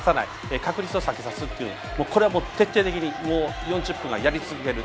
確率を下げさすっていうのを徹底的に４０分間やり続ける。